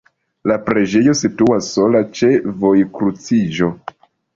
La preĝejo situas sola ĉe vojkruciĝo.